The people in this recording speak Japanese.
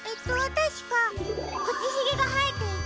たしかくちひげがはえていて。